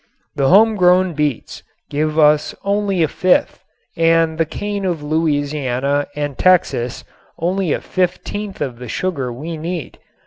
The homegrown beets give us only a fifth and the cane of Louisiana and Texas only a fifteenth of the sugar we need.